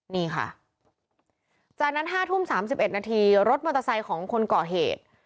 นี่ค่ะจากนั้นห้าทุ่มสามสิบเอ็ดนาทีรถมอเตอร์ไซค์ของคนเกาะเหตุ